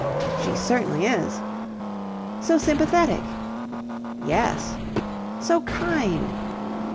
"She certainly is." "So sympathetic." "Yes." "So kind."